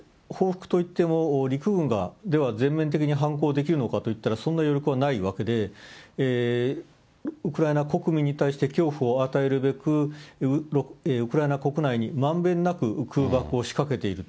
報復といっても、陸軍が、では全面的に反攻できるのかと言ったら、その余力はないわけで、ウクライナ国民に対して恐怖を与えるべく、ウクライナ国内にまんべんなく空爆を仕掛けている。